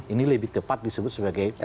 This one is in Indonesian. ini lebih tepat disebut sebagai